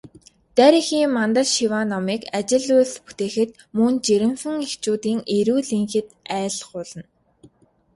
Дарь эхийн мандал шиваа номыг ажил үйлс бүтээхэд, мөн жирэмсэн эхчүүдийн эрүүл энхэд айлтгуулна.